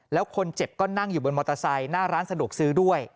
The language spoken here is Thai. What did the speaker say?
แล้วคนเจ็บก็นั่งอยู่บนมอเตอร์ไซค์หน้าร้านสะดวกซื้อด้วย